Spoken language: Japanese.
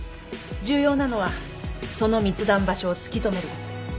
重要なのはその密談場所を突き止めること。